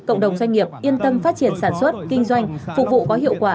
cộng đồng doanh nghiệp yên tâm phát triển sản xuất kinh doanh phục vụ có hiệu quả